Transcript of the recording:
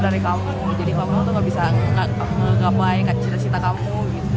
jadi kamu itu nggak bisa menggapai cita cita kamu